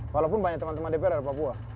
walaupun banyak teman teman dpr dari papua